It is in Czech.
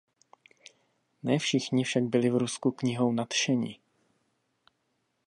Ne všichni však byli v Rusku knihou nadšeni.